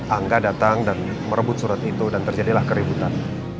angga datang dan merebut surat itu dan terjadilah keributan